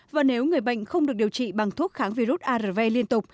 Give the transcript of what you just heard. và nếu người bệnh không được điều trị bằng thuốc kháng virus arv liên tục